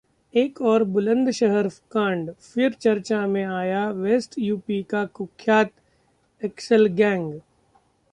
एक और बुलंदशहर कांड, फिर चर्चा में आया वेस्ट यूपी का कुख्यात 'एक्सल गैंग'